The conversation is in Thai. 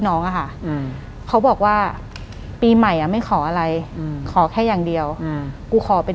หลังจากนั้นเราไม่ได้คุยกันนะคะเดินเข้าบ้านอืม